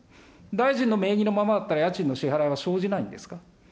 大臣の名義のままだったら、家賃の支払いは生じないんですか。